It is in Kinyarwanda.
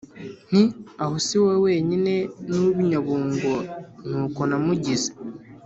nti « aho si wowe wenyine, n’ uw’ i Bunyabungo ni uko namugize. »